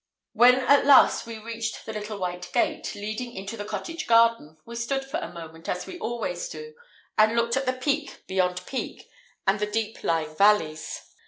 When at last we reached the little white gate, leading into the cottage garden, we stood for a moment, as we always do, and looked at the peak beyond peak, and the deep lying valleys.